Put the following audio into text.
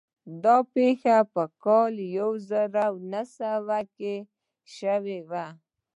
دا پېښه په کال يو زر و نهه سوه کې شوې وه.